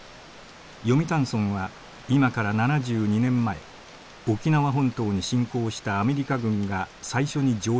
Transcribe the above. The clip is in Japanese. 読谷村は今から７２年前沖縄本島に侵攻したアメリカ軍が最初に上陸した村です。